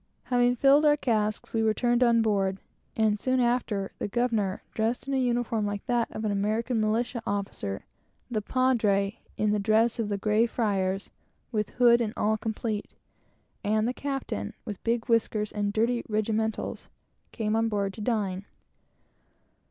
Having filled our casks, we returned on board, and soon after, the governor, dressed in a uniform like that of an American militia officer, the Padre, in the dress of the grey friars, with hood and all complete, and the Capitan, with big whiskers and dirty regimentals, came on board to dine.